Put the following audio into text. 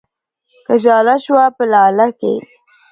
که ژاله شوه په لاله کې